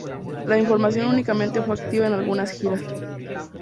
La formación únicamente fue activa en algunas giras.